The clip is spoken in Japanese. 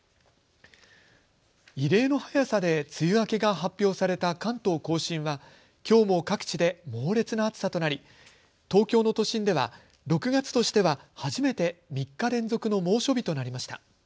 異例の早さで梅雨明けが発表された関東甲信はきょうも各地で猛烈な暑さとなり東京の都心では６月としては初めて３日連続の猛暑日となりました。